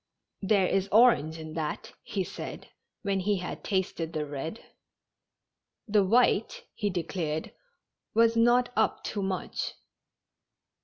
"There is orange in that," he said, when he had tasted the red. The white, he declared, was not up to much.